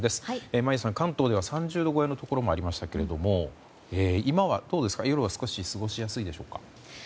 眞家さん、関東では３０度超えのところもありましたけど今は、どうですか夜は少し過ごしやすいでしょうか。